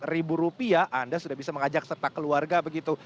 empat ribu rupiah anda sudah bisa mengajak serta keluarga begitu